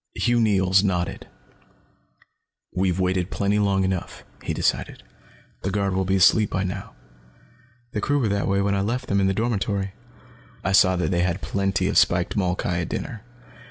Hugh Neils nodded. "We've waited plenty long enough," he decided. "The guard will be asleep by now. The crew were that way when I left them, in the dormitory. I saw that they had plenty of spiked molkai at dinner.